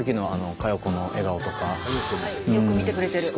ああよく見てくれてる。